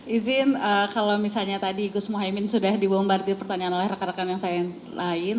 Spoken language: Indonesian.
izin kalau misalnya tadi gus muhaymin sudah dibombardir pertanyaan oleh rekan rekan yang saya lain